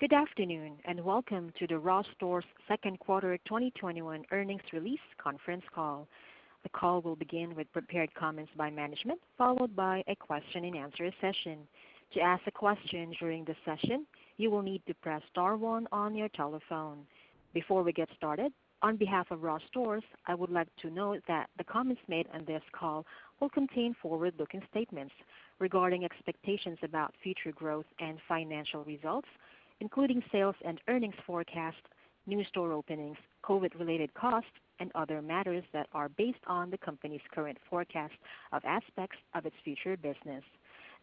Good afternoon, and welcome to the Ross Stores second quarter 2021 earnings release conference call. The call will begin with prepared comments by management, followed by a question-and-answer session. Before we get started, on behalf of Ross Stores, I would like to note that the comments made on this call will contain forward-looking statements regarding expectations about future growth and financial results, including sales and earnings forecasts, new store openings, COVID-related costs, and other matters that are based on the company's current forecast of aspects of its future business.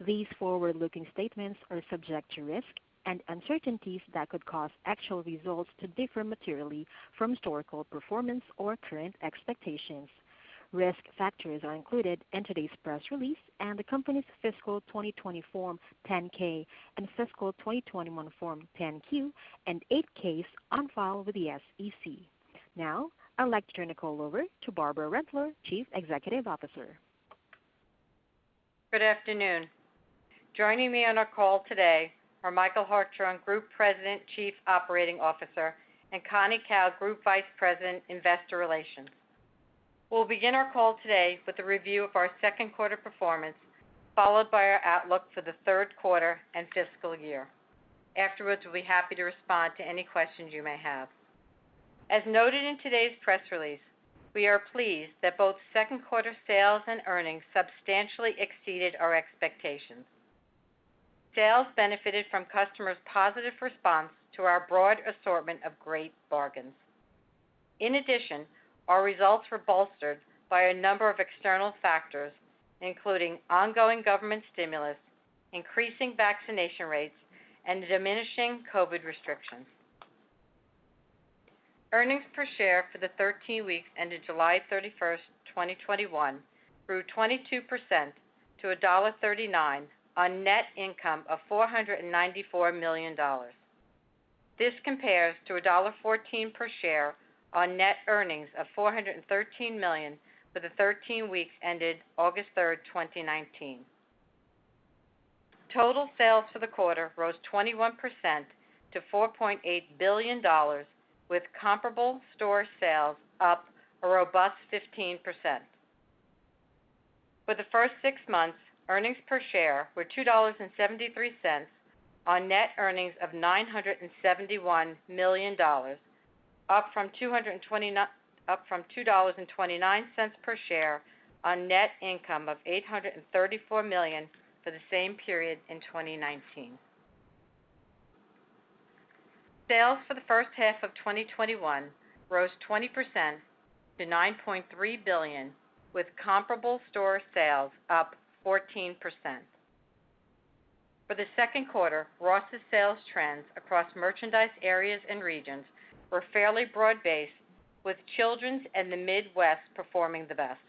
These forward-looking statements are subject to risks and uncertainties that could cause actual results to differ materially from historical performance or current expectations. Risk factors are included in today's press release and the company's fiscal 2020 Form 10-K and fiscal 2021 Form 10-Q and 8-Ks on file with the SEC. Now, I'd like to turn the call over to Barbara Rentler, chief executive officer. Good afternoon. Joining me on our call today are Michael Hartshorn, Group President, Chief Operating Officer, and Connie Kao, Group Vice President, Investor Relations. We'll begin our call today with a review of our second quarter performance, followed by our outlook for the third quarter and fiscal year. Afterwards, we'll be happy to respond to any questions you may have. As noted in today's press release, we are pleased that both second quarter sales and earnings substantially exceeded our expectations. Sales benefited from customers' positive response to our broad assortment of great bargains. In addition, our results were bolstered by a number of external factors, including ongoing government stimulus, increasing vaccination rates, and diminishing COVID restrictions. Earnings per share for the 13 weeks ended July 31st, 2021, grew 22% to $1.39 on net income of $494 million. This compares to $1.14 per share on net earnings of $413 million for the 13 weeks ended August 3rd, 2019. Total sales for the quarter rose 21% to $4.8 billion, with comparable store sales up a robust 15%. For the first six months, earnings per share were $2.73 on net earnings of $971 million, up from $2.29 per share on net income of $834 million for the same period in 2019. Sales for the first half of 2021 rose 20% to $9.3 billion, with comparable store sales up 14%. For the second quarter, Ross's sales trends across merchandise areas and regions were fairly broad-based, with children's and the Midwest performing the best.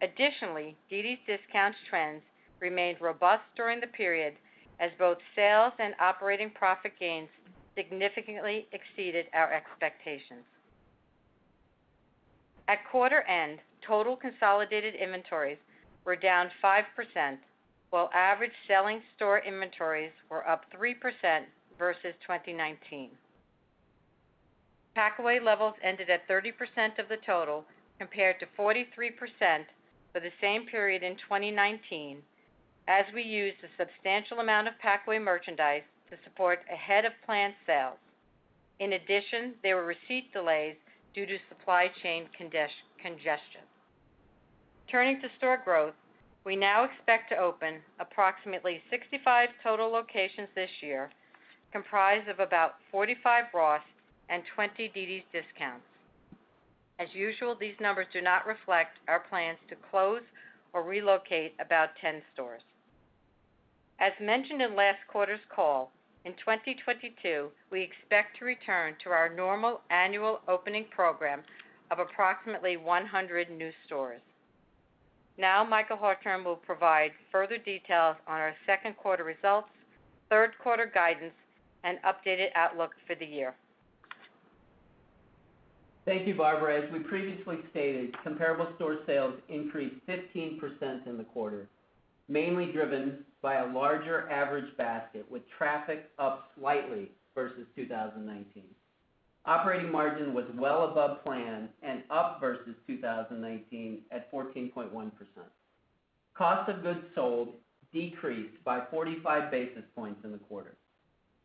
Additionally, dd's DISCOUNTS trends remained robust during the period as both sales and operating profit gains significantly exceeded our expectations. At quarter end, total consolidated inventories were down 5%, while average selling store inventories were up 3% versus 2019. Packaway levels ended at 30% of the total compared to 43% for the same period in 2019, as we used a substantial amount of packaway merchandise to support ahead of planned sales. There were receipt delays due to supply chain congestion. Turning to store growth, we now expect to open approximately 65 total locations this year, comprised of about 45 Ross and 20 DD's DISCOUNTS. As usual, these numbers do not reflect our plans to close or relocate about 10 stores. As mentioned in last quarter's call, in 2022, we expect to return to our normal annual opening program of approximately 100 new stores. Now, Michael Hartshorn will provide further details on our second quarter results, third quarter guidance, and updated outlook for the year. Thank you, Barbara. As we previously stated, comparable store sales increased 15% in the quarter, mainly driven by a larger average basket with traffic up slightly versus 2019. Operating margin was well above plan and up versus 2019 at 14.1%. Cost of goods sold decreased by 45 basis points in the quarter.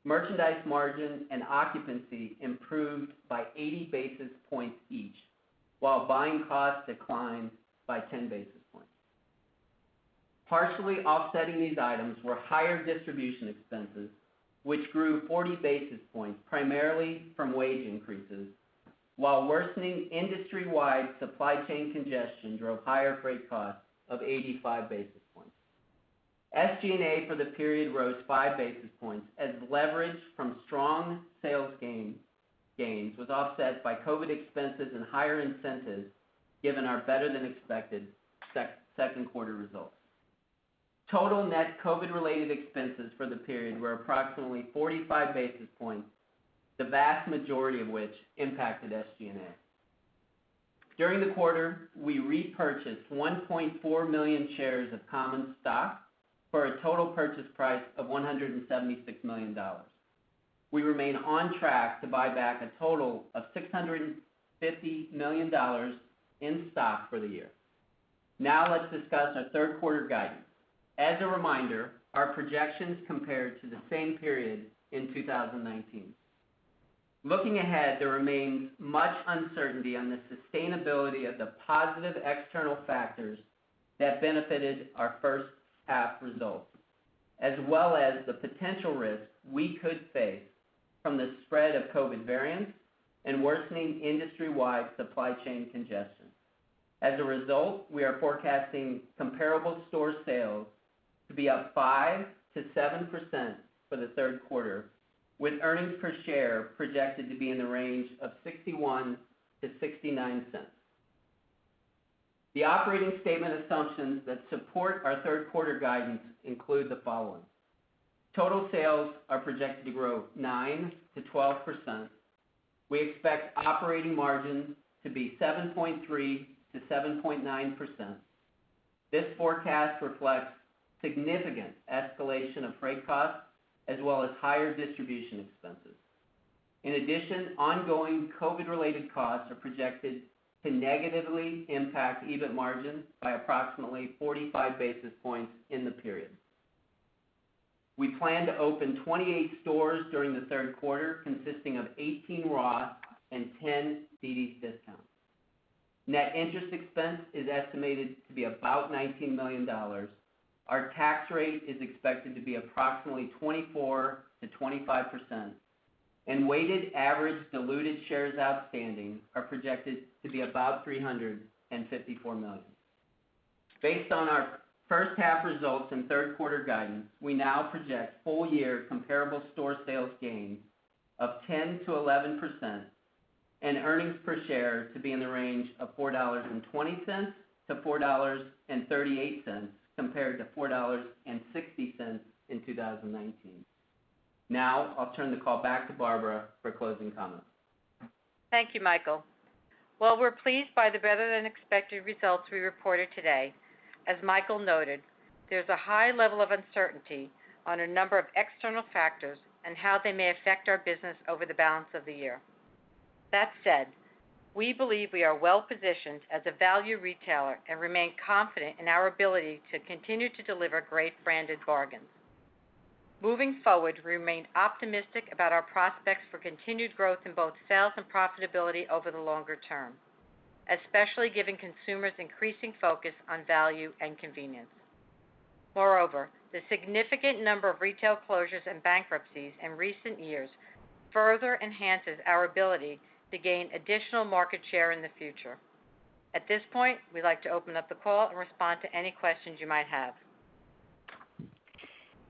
Merchandise margin and occupancy improved by 80 basis points each, while buying costs declined by 10 basis points. Partially offsetting these items were higher distribution expenses, which grew 40 basis points, primarily from wage increases, while worsening industry-wide supply chain congestion drove higher freight costs of 85 basis points. SGA for the period rose five basis points as leverage from strong sales gains was offset by COVID expenses and higher incentives given our better-than-expected second quarter results. Total net COVID-related expenses for the period were approximately 45 basis points, the vast majority of which impacted SG&A. During the quarter, we repurchased 1.4 million shares of common stock for a total purchase price of $176 million. We remain on track to buy back a total of $650 million in stock for the year. Now let's discuss our third quarter guidance. As a reminder, our projections compared to the same period in 2019. Looking ahead, there remains much uncertainty on the sustainability of the positive external factors that benefited our first-half results, as well as the potential risks we could face from the spread of COVID variants and worsening industry-wide supply chain congestion. As a result, we are forecasting comparable store sales to be up 5%-7% for the third quarter, with earnings per share projected to be in the range of $0.61-$0.69. The operating statement assumptions that support our third quarter guidance include the following. Total sales are projected to grow 9%-12%. We expect operating margins to be 7.3%-7.9%. This forecast reflects significant escalation of freight costs, as well as higher distribution expenses. In addition, ongoing COVID-related costs are projected to negatively impact EBIT margins by approximately 45 basis points in the period. We plan to open 28 stores during the third quarter, consisting of 18 Ross and 10 DD's DISCOUNTS. Net interest expense is estimated to be about $19 million. Our tax rate is expected to be approximately 24%-25%, and weighted average diluted shares outstanding are projected to be about 354 million. Based on our first-half results and third-quarter guidance, we now project full-year comparable store sales gains of 10% to 11% and earnings per share to be in the range of $4.20 to $4.38, compared to $4.60 in 2019. I'll turn the call back to Barbara for closing comments. Thank you, Michael. While we're pleased by the better-than-expected results we reported today, as Michael noted, there's a high level of uncertainty on a number of external factors and how they may affect our business over the balance of the year. That said, we believe we are well-positioned as a value retailer and remain confident in our ability to continue to deliver great branded bargains. Moving forward, we remain optimistic about our prospects for continued growth in both sales and profitability over the longer term, especially given consumers' increasing focus on value and convenience. Moreover, the significant number of retail closures and bankruptcies in recent years further enhances our ability to gain additional market share in the future. At this point, we'd like to open up the call and respond to any questions you might have.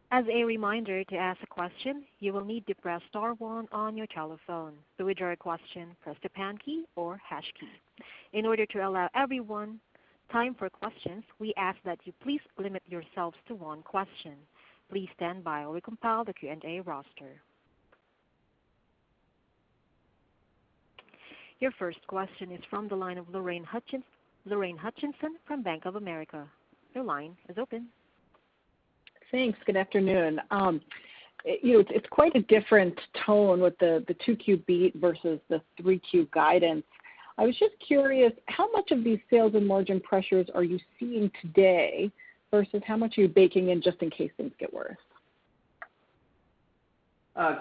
Your first question is from the line of Lorraine Hutchinson from Bank of America. Your line is open. Thanks. Good afternoon. It's quite a different tone with the 2Q beat versus the 3Q guidance. I was just curious: how much of these sales and margin pressures are you seeing today versus how much are you baking in just in case things get worse?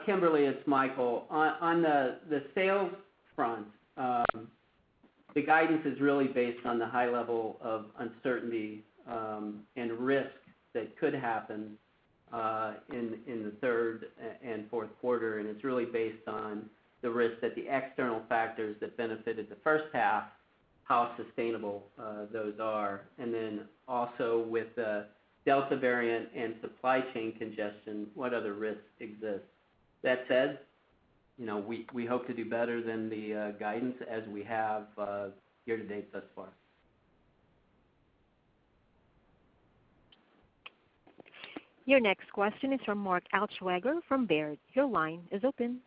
Kimberly, it's Michael. On the sales front, the guidance is really based on the high level of uncertainty and risk that could happen in the third and fourth quarters, and it's really based on the risk that the external factors that benefited the first half, how sustainable those are. Also, with the Delta variant and supply chain congestion, what other risks exist. That said, we hope to do better than the guidance, as we have year-to-date thus far. Your next question is from Mark Altschwager from Baird. Your line is open.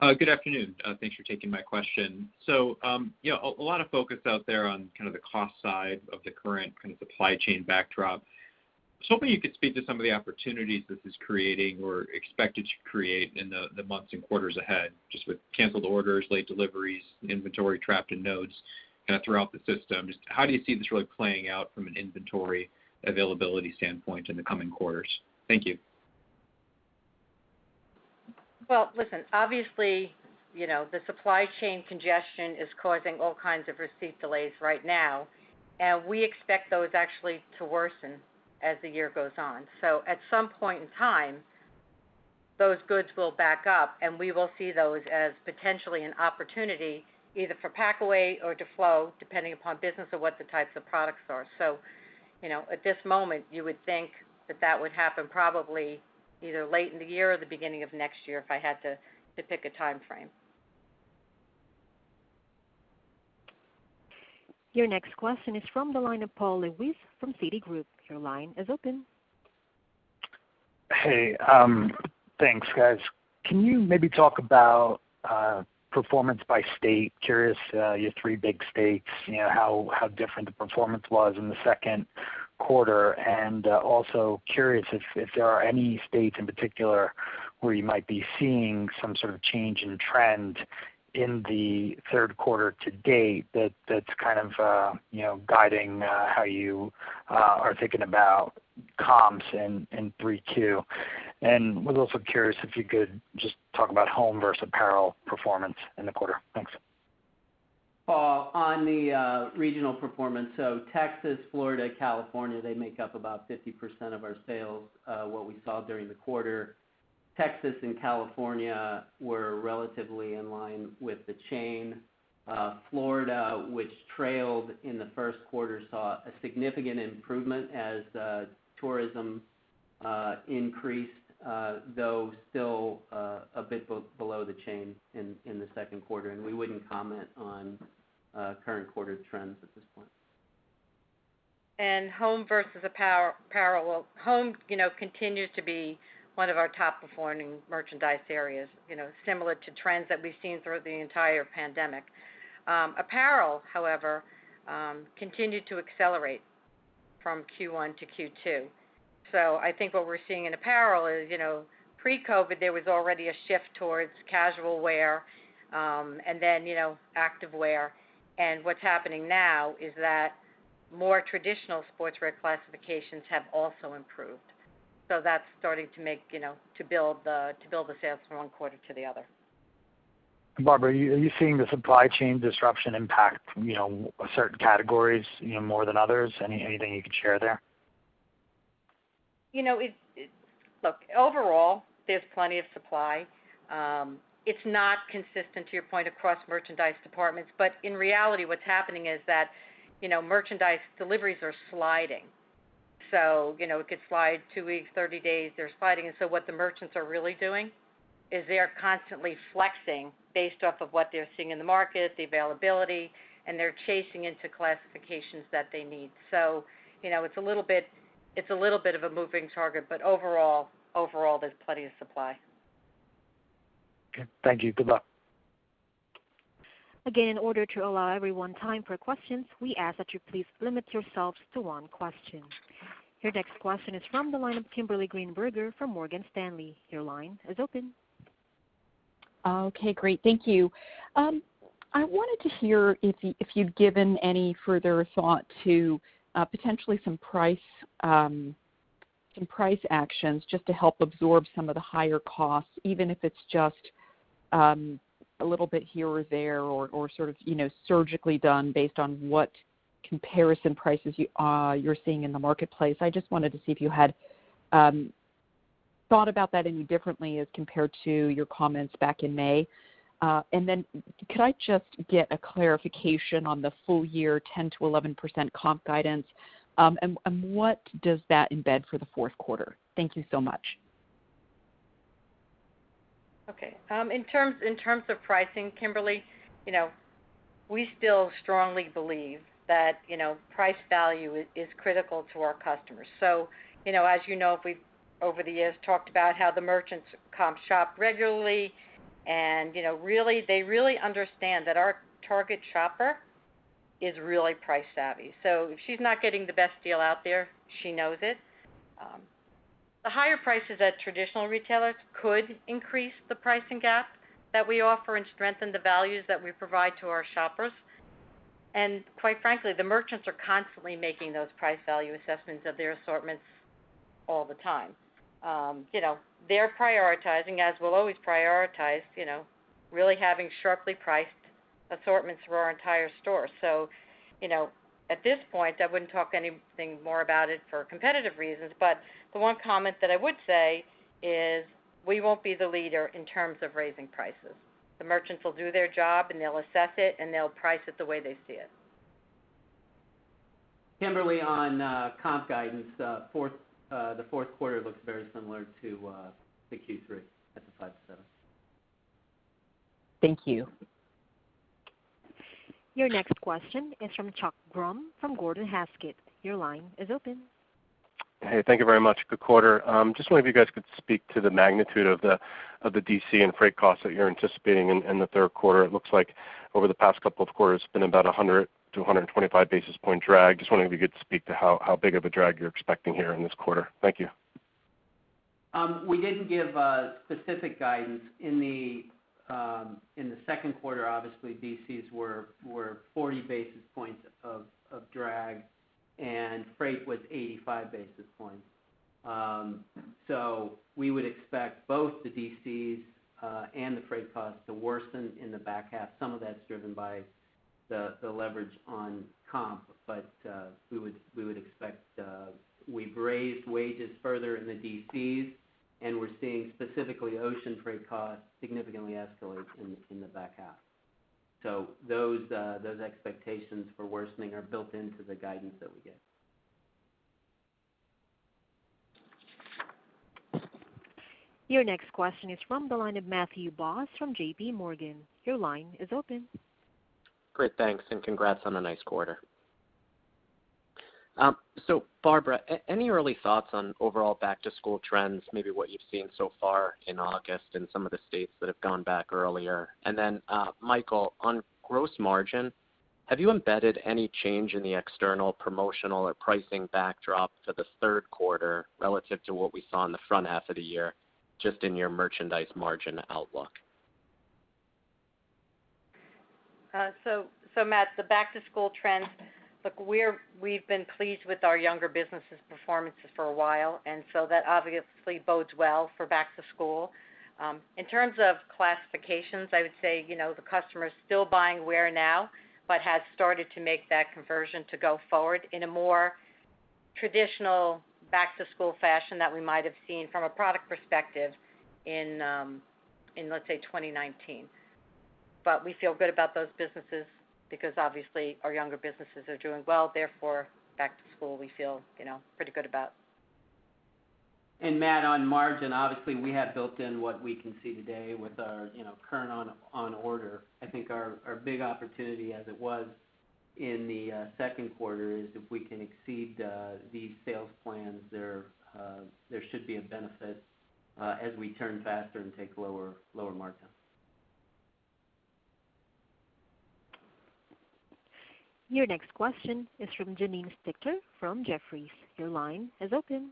Good afternoon. Thanks for taking my question. A lot of focus out there on kind of the cost side of the current kind of supply chain backdrop. I was hoping you could speak to some of the opportunities this is creating or expected to create in the months and quarters ahead, just with canceled orders, late deliveries, inventory trapped in nodes kind of throughout the system. Just how do you see this really playing out from an inventory availability standpoint in the coming quarters? Thank you. Well, listen, obviously, the supply chain congestion is causing all kinds of receipt delays right now. We expect those actually to worsen as the year goes on. At some point in time, those goods will back up, and we will see those as potentially an opportunity either for packaway or to flow, depending upon business or what the types of products are. At this moment, you would think that that would happen probably either late in the year or the beginning of next year, if I had to pick a timeframe. Your next question is from the line of Paul Lejuez from TD Cowen. Your line is open. Thanks, guys. Can you maybe talk about performance by state? Curious, your three big states, how different the performance was in the second quarter. Also curious if there are any states in particular where you might be seeing some sort of change in trend in the third quarter to date that's kind of guiding how you are thinking about comps in Q3. Was also curious if you could just talk about home versus apparel performance in the quarter. Thanks. On the regional performance, Texas, Florida, California, they make up about 50% of our sales. What we saw during the quarter, Texas and California were relatively in line with the chain. Florida, which trailed in the first quarter, saw a significant improvement as tourism increased, though still a bit below the chain in the second quarter. We wouldn't comment on current quarter trends at this point. Home versus apparel. Home continues to be one of our top-performing merchandise areas, similar to trends that we've seen throughout the entire pandemic. Apparel, however, continued to accelerate from Q1 to Q2. I think what we're seeing in apparel is, pre-COVID, there was already a shift towards casual wear and then activewear. What's happening now is that more traditional sportswear classifications have also improved. That's starting to build the sales from one quarter to the other. Barbara, are you seeing the supply chain disruption impact certain categories more than others? Anything you can share there? Look, overall, there's plenty of supply. It's not consistent, to your point, across merchandise departments. In reality, what's happening is that merchandise deliveries are sliding. It could slide two weeks, 30 days; they're sliding. What the merchants are really doing is they are constantly flexing based off of what they're seeing in the market, the availability, and they're chasing into classifications that they need. It's a little bit of a moving target, but overall, there's plenty of supply. Okay. Thank you. Good luck. Again, in order to allow everyone time for questions, we ask that you please limit yourselves to one question. Your next question is from the line of Kimberly Greenberger from Morgan Stanley. Your line is open. Okay, great. Thank you. I wanted to hear if you'd given any further thought to potentially some price actions just to help absorb some of the higher costs, even if it's just a little bit here or there or sort of surgically done based on what comparison prices you're seeing in the marketplace. I just wanted to see if you had thought about that any differently as compared to your comments back in May. Then could I just get a clarification on the full-year 10%-11% comp guidance? What does that embed for the fourth quarter? Thank you so much. Okay. In terms of pricing, Kimberly, we still strongly believe that price value is critical to our customers. As you know, we've over the years talked about how the merchants comp shop regularly, and they really understand that our target shopper is really price-savvy. If she's not getting the best deal out there, she knows it. The higher prices at traditional retailers could increase the pricing gap that we offer and strengthen the values that we provide to our shoppers. Quite frankly, the merchants are constantly making those price value assessments of their assortments all the time. They're prioritizing, as we'll always prioritize, really having sharply priced assortments for our entire store. At this point, I wouldn't talk anything more about it for competitive reasons, but the one comment that I would say is we won't be the leader in terms of raising prices. The merchants will do their job, and they'll assess it, and they'll price it the way they see it. Kimberly, on comp guidance, the fourth quarter looks very similar to the Q3 at the 5%-7%. Thank you. Your next question is from Chuck Grom from Gordon Haskett. Your line is open. Hey, thank you very much. Good quarter. Just wondering if you guys could speak to the magnitude of the DC and freight costs that you're anticipating in the third quarter. It looks like over the past couple of quarters, it's been about 100 basis point 125 basis point drag. Just wondering if you could speak to how big of a drag you're expecting here in this quarter. Thank you. We didn't give specific guidance. In the second quarter, obviously, DCs were 40 basis points of drag, and freight was 85 basis points. We would expect both the DCs and the freight costs to worsen in the back half. Some of that's driven by the leverage on comp, but we raised wages further in the DCs, and we're seeing specifically ocean freight costs significantly escalate in the back half. Those expectations for worsening are built into the guidance that we give. Your next question is from the line of Matthew Boss from JP Morgan. Your line is open. Great. Thanks, and congrats on a nice quarter. Barbara, any early thoughts on overall back-to-school trends, maybe what you've seen so far in August in some of the states that have gone back earlier? Michael, on gross margin, have you embedded any change in the external promotional or pricing backdrop for the third quarter relative to what we saw in the front half of the year, just in your merchandise margin outlook? Matt, the back-to-school trends, look, we've been pleased with our younger businesses' performances for a while, and so that obviously bodes well for back to school. In terms of classifications, I would say the customer is still buying wear now but has started to make that conversion to go forward in a more traditional back-to-school fashion that we might have seen from a product perspective in, let's say, 2019. We feel good about those businesses because obviously our younger businesses are doing well; therefore, back to school, we feel pretty good about. Matthew, on margin, obviously we have built in what we can see today with our current on-order. I think our big opportunity, as it was in the second quarter, is if we can exceed these sales plans; there should be a benefit as we turn faster and take lower margins. Your next question is from Janine Stichter from Jefferies. Your line is open.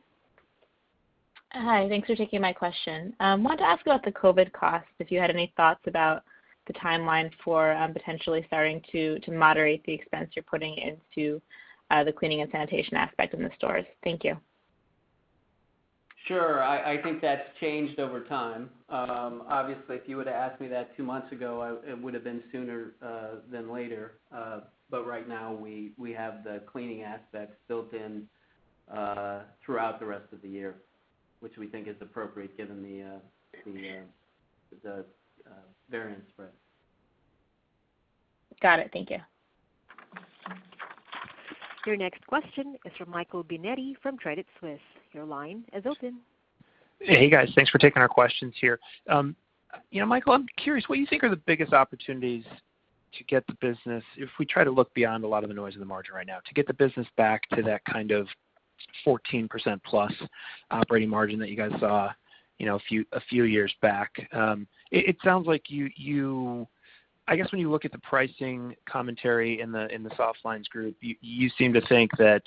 Hi. Thanks for taking my question. Wanted to ask about the COVID cost, if you had any thoughts about the timeline for potentially starting to moderate the expense you're putting into the cleaning and sanitation aspect in the stores. Thank you. Sure. I think that's changed over time. Obviously, if you would've asked me that two months ago, it would've been sooner than later. Right now, we have the cleaning aspect built in throughout the rest of the year, which we think is appropriate given the variant spread. Got it. Thank you. Your next question is from Michael Binetti from Credit Suisse. Your line is open. Hey, guys. Thanks for taking our questions here. Michael, I'm curious; what do you think are the biggest opportunities to get the business if we try to look beyond a lot of the noise in the margin right now to get the business back to that kind of 14% plus operating margin that you guys saw a few years back? It sounds like, I guess, when you look at the pricing commentary in the softlines group, you seem to think that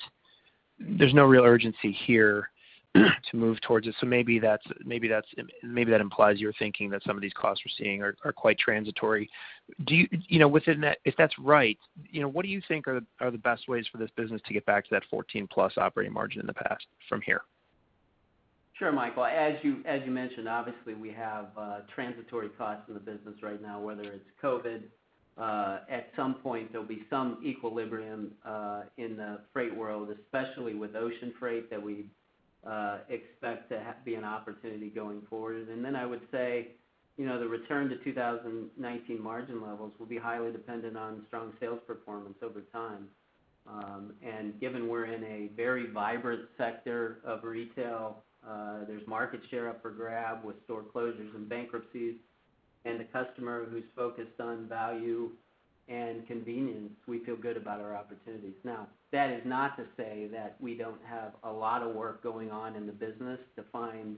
there's no real emergency here to move towards it, maybe that implies you're thinking that some of these costs we're seeing are quite transitory. If that's right, what do you think are the best ways for this business to get back to that 14+ operating margin in the past from here? Sure, Michael. As you mentioned, obviously we have transitory costs in the business right now, whether it's COVID. At some point, there'll be some equilibrium in the freight world, especially with ocean freight that we expect to be an opportunity going forward. I would say the return to 2019 margin levels will be highly dependent on strong sales performance over time. Given we're in a very vibrant sector of retail, there's market share up for grab with store closures and bankruptcies and a customer who's focused on value and convenience. We feel good about our opportunities. Now, that is not to say that we don't have a lot of work going on in the business to find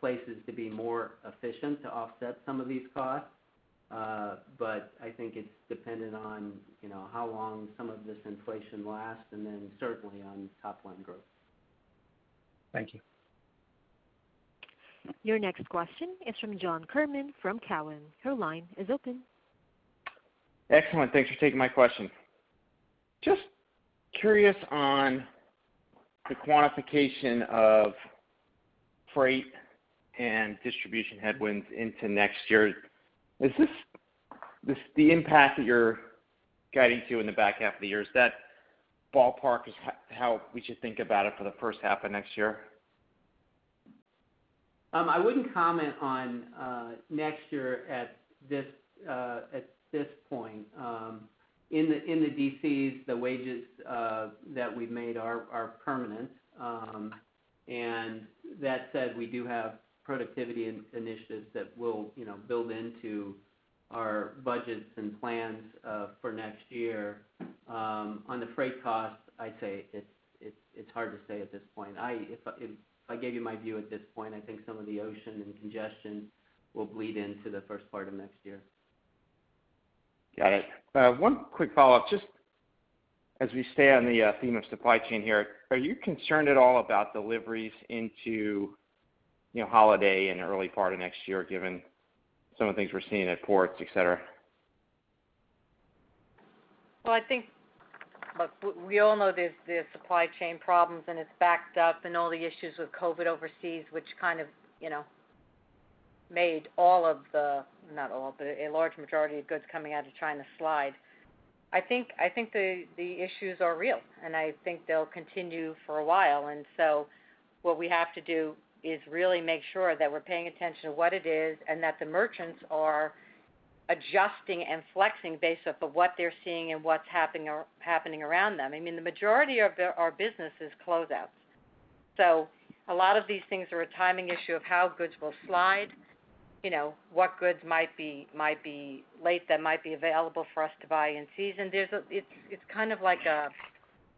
places to be more efficient to offset some of these costs. I think it's dependent on how long some of this inflation lasts and, then certainly, on top-line growth. Thank you. Your next question is from John Kernan from Cowen. Your line is open. Excellent. Thanks for taking my question. Just curious on the quantification of freight and distribution headwinds into next year. Is this the impact that you're guiding to in the back half of the year? Is that ballpark how we should think about it for the first half of next year? I wouldn't comment on next year at this point. In the DCs, the wages that we've made are permanent. That said, we do have productivity initiatives that we'll build into our budgets and plans for next year. On the freight cost, I'd say it's hard to say at this point. If I gave you my view at this point, I think some of the ocean and congestion will bleed into the first part of next year. Got it. One quick follow-up, just as we stay on the theme of supply chain here, are you concerned at all about deliveries into the holidays and early part of next year, given some of the things we're seeing at ports, et cetera? Well, I think, look, we all know there's the supply chain problems and it's backed up, and all the issues with COVID overseas, which kind of made all of the, not all, but a large majority of goods coming out of China slide. I think the issues are real, and I think they'll continue for a while. What we have to do is really make sure that we're paying attention to what it is and that the merchants are adjusting and flexing based off of what they're seeing and what's happening around them. The majority of our business is closeouts. So a lot of these things are a timing issue of how goods will slide. What goods might be late that might be available for us to buy in season? It's like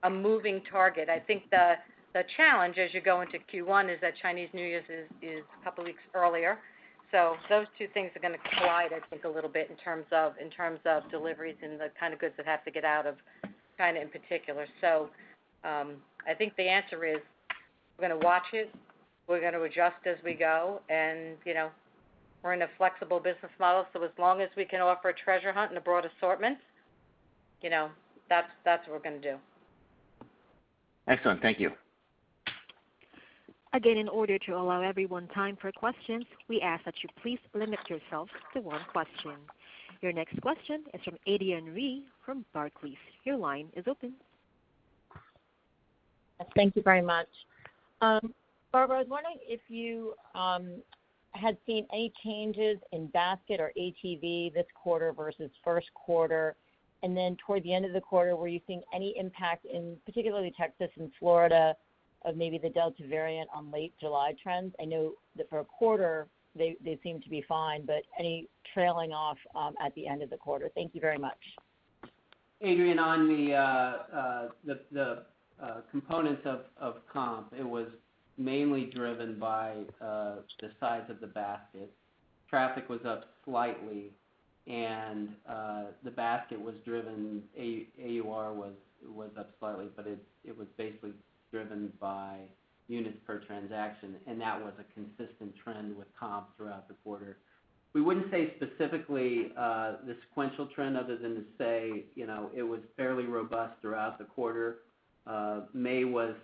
a moving target. I think the challenge as you go into Q1 is that Chinese New Year's is a couple of weeks earlier. Those two things are going to collide, I think, a little bit in terms of deliveries and the kind of goods that have to get out of China in particular. I think the answer is we're going to watch it, we're going to adjust as we go, and we're in a flexible business model, so as long as we can offer a treasure hunt and a broad assortment, that's what we're going to do. Excellent. Thank you. In order to allow everyone time for questions, we ask that you please limit yourself to one question. Your next question is from Adrienne Yih from Barclays. Your line is open. Thank you very much. Barbara, I was wondering if you had seen any changes in basket or ATV this quarter versus first quarter, and then toward the end of the quarter, were you seeing any impact in particularly Texas and Florida, of maybe the Delta variant on late July trends? I know that for a quarter, they seem to be fine. Any trailing off at the end of the quarter? Thank you very much. Adrienne, on the components of comp, it was mainly driven by the size of the basket. Traffic was up slightly, and the basket was driven. AUR was up slightly, but it was basically driven by units per transaction, and that was a consistent trend with comp throughout the quarter. We wouldn't say specifically the sequential trend other than to say it was fairly robust throughout the quarter. May was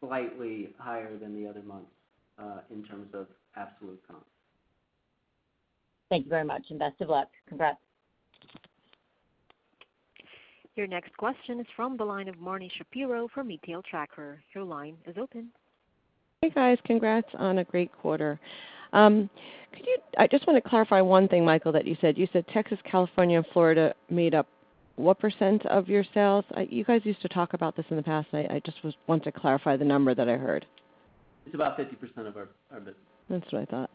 slightly higher than the other months in terms of absolute comp. Thank you very much, and best of luck. Congrats. Your next question is from the line of Marni Shapiro from Retail Tracker. Your line is open. Hey, guys. Congrats on a great quarter. I just want to clarify one thing, Michael, that you said. You said Texas, California, and Florida made up what % of your sales? You guys used to talk about this in the past. I just want to clarify the number that I heard. It's about 30% of our business. That's what I thought.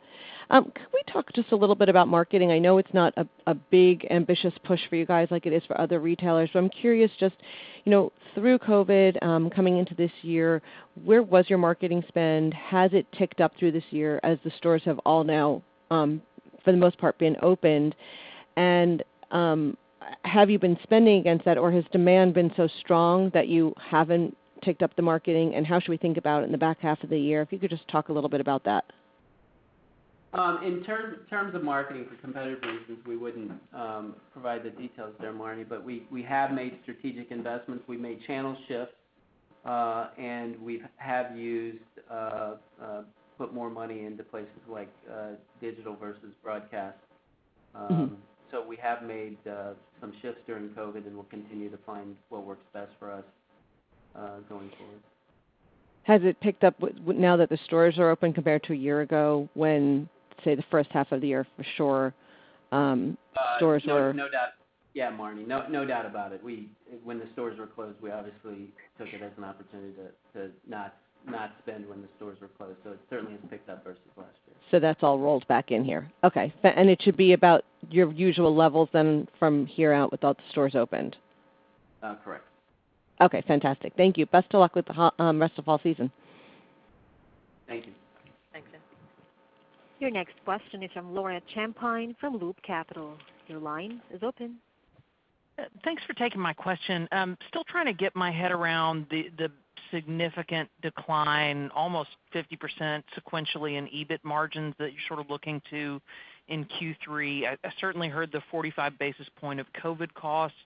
Could we talk just a little bit about marketing? I know it's not a big, ambitious push for you guys like it is for other retailers, but I'm curious: just through COVID, coming into this year, where was your marketing spend? Has it ticked up through this year as the stores have all now, for the most part, been opened? Have you been spending against that, or has demand been so strong that you haven't ticked up the marketing? What should we think about in the back half of the year? If you could just talk a little bit about that. In terms of marketing, for competitive reasons, we wouldn't provide the details there, Marni, but we have made strategic investments. We've made channel shifts, and we have put more money into places like digital versus broadcast. We have made some shifts during COVID, and we'll continue to find what works best for us going forward. Has it picked up now that the stores are open compared to a year ago when, say, the first half of the year for sure stores were. Yeah, Marni. No doubt about it. When the stores were closed, we obviously took it as an opportunity to not spend when the stores were closed. It certainly has picked up versus last year. That's all rolled back in here. Okay. It should be about your usual levels then from here out with all the stores opened. Correct. Okay, fantastic. Thank you. Best of luck with the rest of fall season. Thank you. Thanks. Your next question is from Laura Champine from Loop Capital. Your line is open. Thanks for taking my question. Still trying to get my head around the significant decline, almost 50% sequentially, in EBIT margins that you're sort of looking to in Q3. I certainly heard the 45 basis points of COVID costs,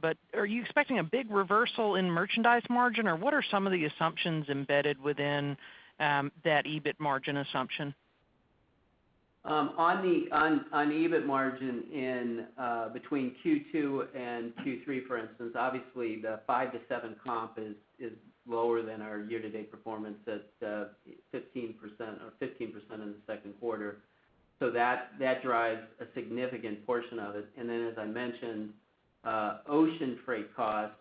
but are you expecting a big reversal in merchandise margin, or what are some of the assumptions embedded within that EBIT margin assumption? On the EBIT margin in between Q2 and Q3, for instance, obviously, the 5%-7% comp is lower than our year-to-date performance at 15% or 15% in Q2. That drives a significant portion of it. As I mentioned, ocean freight costs;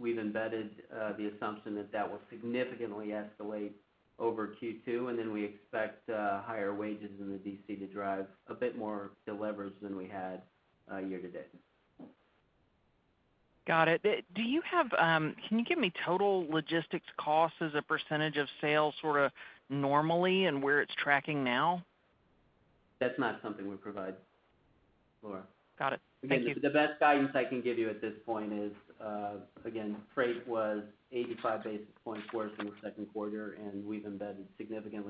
we've embedded the assumption that that will significantly escalate over Q2, and then we expect higher wages in the DC to drive a bit more deleverage than we had year to date. Got it. Can you give me total logistics costs as a percentage of sales, sort of normally and where it's tracking now? That's not something we provide. Laura. Got it. Thank you. The best guidance I can give you at this point is, again, freight was 85 basis points worse in the second quarter, and we've embedded significant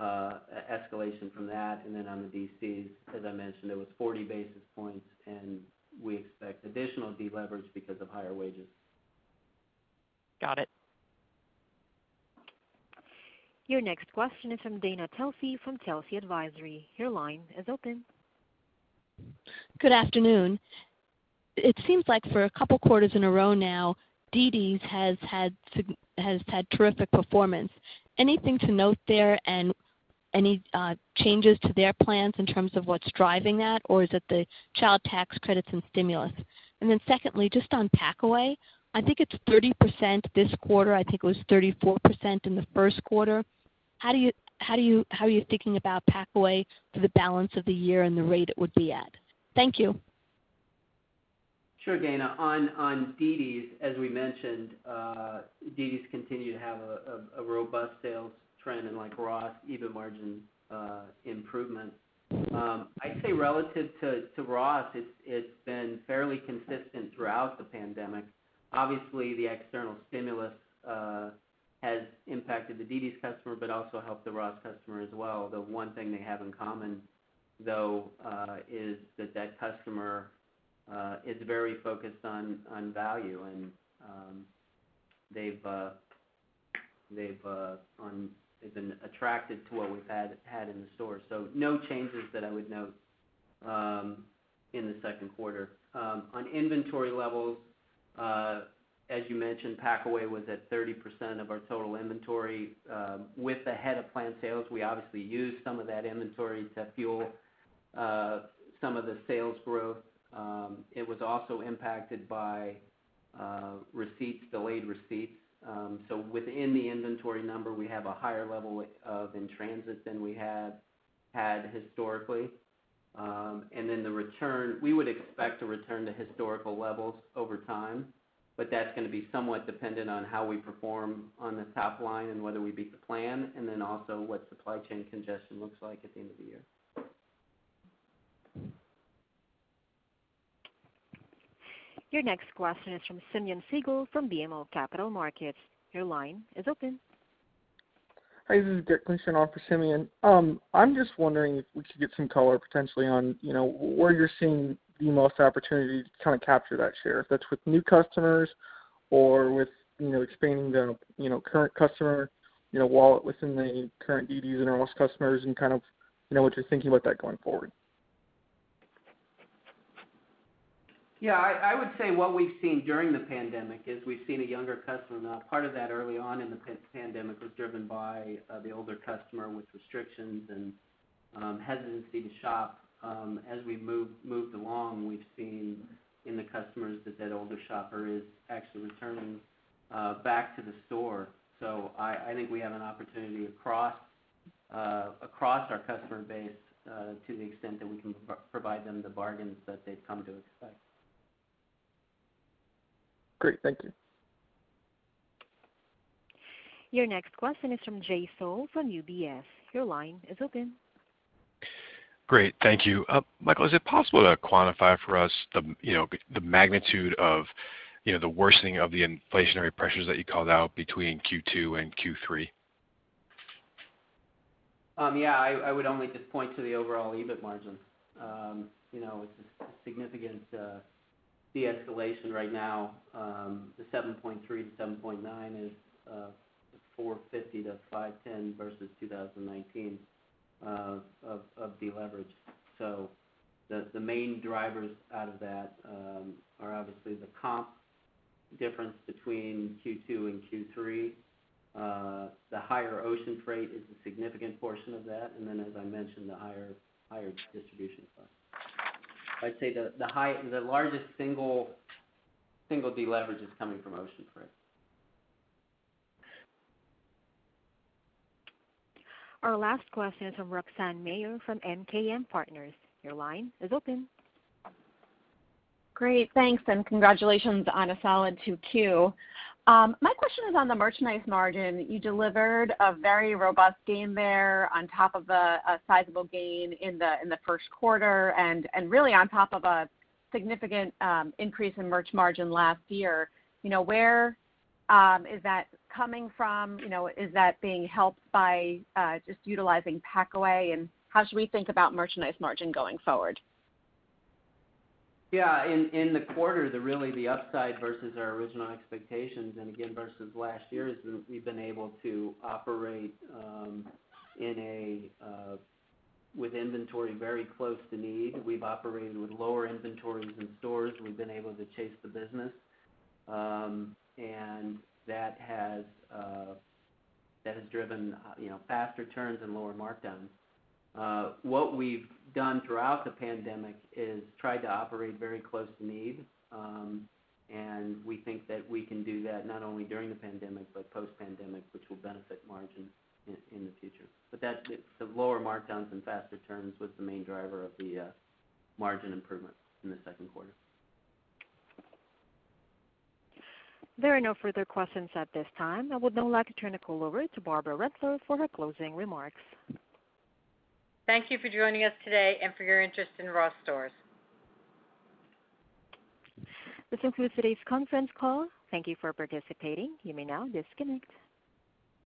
escalation from that. On the DCs, as I mentioned, it was 40 basis points, and we expect additional deleverage because of higher wages. Got it. Your next question is from Dana Telsey from Telsey Advisory. Your line is open. Good afternoon. It seems like for a couple of quarters in a row now, DD's has had terrific performance. Anything to note there, and any changes to their plans in terms of what's driving that, or is it the child tax credits and stimulus? Secondly, just on packaway, I think it's 30% this quarter. I think it was 34% in the first quarter. How are you thinking about packaway for the balance of the year and the rate it would be at? Thank you. Sure, Dana. On DDs, as we mentioned, DDs continue to have a robust sales trend and Ross EBITDA margin improvement. I'd say relative to Ross, it's been fairly consistent throughout the pandemic. Obviously, the external stimulus has impacted the DD's customer but also helped the Ross customer as well. The one thing they have in common, though, is that that customer is very focused on value, and they've been attracted to what we've had in the store. No changes that I would note in the second quarter. On inventory levels, as you mentioned, packaway was at 30% of our total inventory. With ahead-of-plan sales, we obviously used some of that inventory to fuel some of the sales growth. It was also impacted by delayed receipts. Within the inventory number, we have a higher level of in-transit than we had had historically. The return, we would expect to return to historical levels over time, but that's going to be somewhat dependent on how we perform on the top line and whether we beat the plan and then also what supply chain congestion looks like at the end of the year. Your next question is from Simeon Siegel from BMO Capital Markets. Your line is open. Hi, this is Dirk Lincicome for Simeon. I'm just wondering if we could get some color potentially on where you're seeing the most opportunity to capture that share, if that's with new customers or with expanding the current customer wallet within the current DD's and Ross customers, and what you're thinking about that going forward. I would say what we've seen during the pandemic is we've seen a younger customer. Part of that early on in the pandemic was driven by the older customer with restrictions and hesitancy to shop. As we moved along, we've seen in the customers that older shopper is actually returning back to the store. I think we have an opportunity across our customer base to the extent that we can provide them the bargains that they've come to expect. Great. Thank you. Your next question is from Jay Sole from UBS. Your line is open. Great. Thank you. Michael, is it possible to quantify for us the magnitude of the worsening of the inflationary pressures that you called out between Q2 and Q3? I would only just point to the overall EBIT margin. It's a significant de-escalation right now. The 7.3%-7.9% is 450-510 versus 2019 of deleverage. The main drivers out of that are obviously the comp difference between Q2 and Q3. The higher ocean freight is a significant portion of that, and then, as I mentioned, the higher distribution costs. I'd say the largest single deleverage is coming from ocean freight. Our last question is from Roxanne Meyer from MKM Partners. Your line is open. Great. Thanks, congratulations on a solid 2Q. My question is on the merchandise margin. You delivered a very robust gain there on top of a sizable gain in the first quarter, really on top of a significant increase in merch margin last year. Where is that coming from? Is that being helped by just utilizing packaway? How should we think about merchandise margin going forward? In the quarter, really the upside versus our original expectations and again versus last year is we've been able to operate with inventory very close to need. We've operated with lower inventories in stores. We've been able to chase the business. That has driven faster turns and lower markdowns. What we've done throughout the pandemic is tried to operate very close to need. We think that we can do that not only during the pandemic, but post-pandemic, which will benefit margin in the future. The lower markdowns and faster turns was the main driver of the margin improvement in the second quarter. There are no further questions at this time. I would now like to turn the call over to Barbara Rentler for her closing remarks. Thank you for joining us today and for your interest in Ross Stores. This concludes today's conference call. Thank you for participating. You may now disconnect.